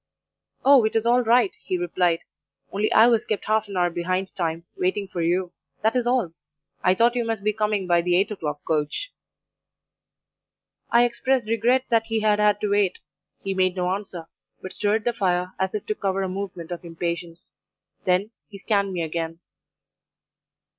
"'Oh, it is all right!' he replied, 'only I was kept half an hour behind time, waiting for you that is all. I thought you must be coming by the eight o'clock coach.' "I expressed regret that he had had to wait; he made no answer, but stirred the fire, as if to cover a movement of impatience; then he scanned me again.